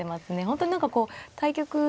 本当に何かこう対局。